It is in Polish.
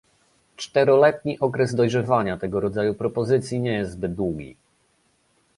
Czteroletni okres dojrzewania tego rodzaju propozycji nie jest zbyt długi